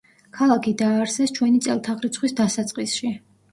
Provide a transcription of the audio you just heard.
ქალაქი დააარსეს ჩვენი წელთაღრიცხვის დასაწყისში.